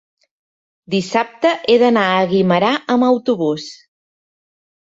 dissabte he d'anar a Guimerà amb autobús.